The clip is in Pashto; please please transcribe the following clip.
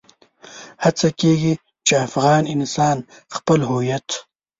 هڅه کېږي چې افغان انسان خپل هويت.